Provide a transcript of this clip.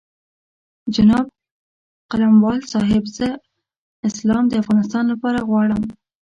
جناب قلموال صاحب زه اسلام د افغانستان لپاره غواړم.